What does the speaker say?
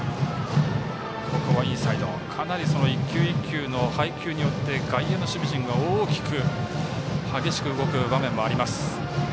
かなり１球１球の配球によって外野の守備陣が大きく激しく動く場面もあります。